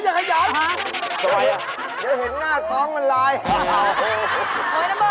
อะไรน่ะเดี๋ยวเห็นหน้าท้องมันลายโอ้โฮโอ้โฮ